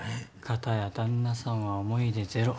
片や旦那さんは思い入れゼロ。